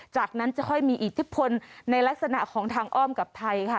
จากนั้นจะค่อยมีอิทธิพลในลักษณะของทางอ้อมกับไทยค่ะ